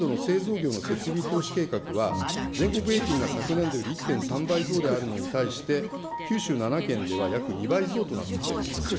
また実際、今年度の製造業の整備投資計画は、全国平均が昨年度より１．３倍増であるのに対して、九州では約２倍増となっております。